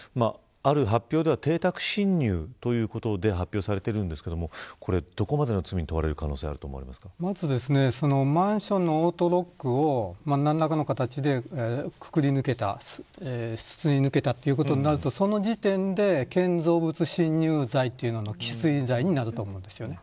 ある発表では邸宅侵入ということで発表されているんですけどこれは、どこまでの罪にまず、マンションのオートロックを何らかの形でくぐり抜けたすり抜けたということになるとその時点で、建造物侵入罪という罪になると思います。